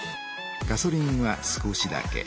ガソリンは少しだけ。